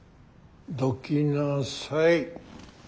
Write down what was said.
どきなさい。